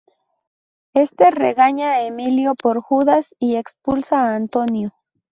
Este regaña a Emilio por Judas y expulsa a Antonio.